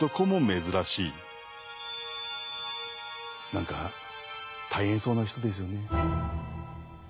何か大変そうな人ですよね。